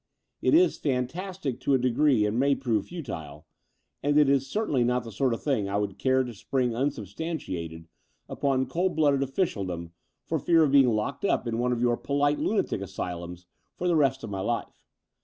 It is fantastic to a degree and may prove futile; and it is certainly not the sort of thing I would care to spring unsubstantiated upon cold blooded official dom for fear of being locked up in one of your polite lunatic asyltmis for the rest of my life.